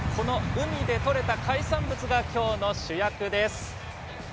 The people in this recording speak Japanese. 海で取れた海産物がきょうの主役です。